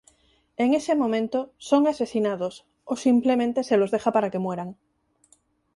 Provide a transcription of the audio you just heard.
En ese momento son asesinados o simplemente se los deja para que mueran.